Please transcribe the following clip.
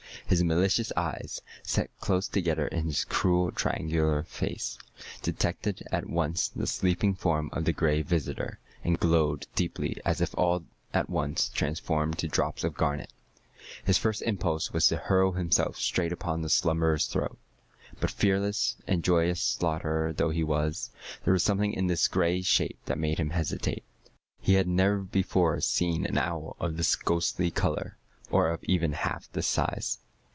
His malicious eyes, set close together in his cruel, triangular face, detected at once the sleeping form of the Gray Visitor, and glowed deeply as if all at once transformed to drops of garnet. His first impulse was to hurl himself straight upon the slumberer's throat. But, fearless and joyous slaughterer though he was, there was something in this gray shape that made him hesitate. He had never before seen an owl of this ghostly color, or of even half this size.